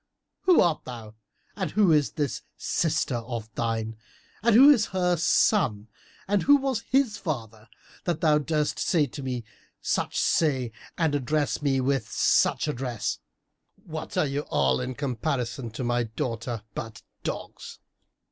Who art thou and who is this sister of thine and who is her son and who was his father,[FN#329] that thou durst say to me such say and address me with such address? What are ye all, in comparison with my daughter, but dogs?"